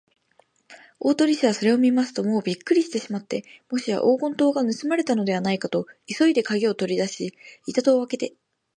大鳥氏はそれを見ますと、もうびっくりしてしまって、もしや黄金塔がぬすまれたのではないかと、急いでかぎをとりだし、板戸をあけて